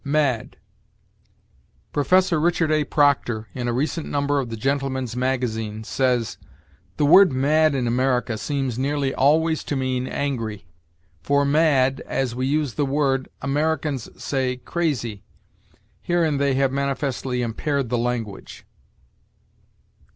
MAD. Professor Richard A. Proctor, in a recent number of "The Gentleman's Magazine," says: "The word mad in America seems nearly always to mean angry. For mad, as we use the word, Americans say crazy. Herein they have manifestly impaired the language."